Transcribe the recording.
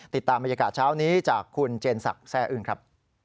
ติดตามบรรยากาศเช้านี้จากคุณเจนศักดิ์แซ่อึ้งครับ